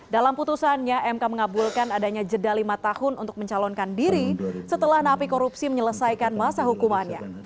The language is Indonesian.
dalam putusannya mk mengabulkan adanya jeda lima tahun untuk mencalonkan diri setelah napi korupsi menyelesaikan masa hukumannya